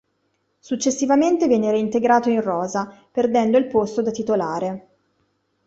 Successivamente viene reintegrato in rosa, perdendo il posto da titolare.